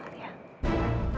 kapan pun aku mau arya